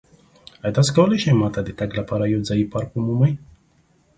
ایا تاسو کولی شئ ما ته د تګ لپاره یو ځایی پارک ومومئ؟